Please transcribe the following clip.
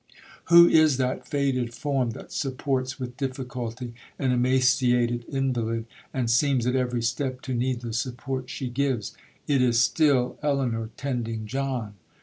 'Who is that faded form that supports with difficulty an emaciated invalid, and seems at every step to need the support she gives?—It is still Elinor tending John.